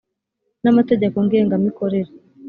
n amategeko ngenga mikorere